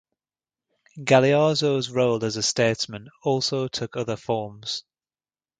Galeazzo's role as a statesman also took other forms.